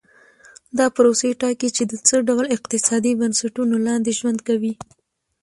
دا پروسې ټاکي چې د څه ډول اقتصادي بنسټونو لاندې ژوند کوي.